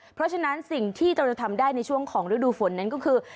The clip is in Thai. เพราะฉะนั้นสิ่งที่เราจะทำได้ในช่วงของฤดูฝนนั้นก็คือ